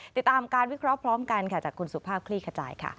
ติดตามการวิเคราะห์พร้อมกันค่ะจากคุณสุภาพคลี่ขจายค่ะ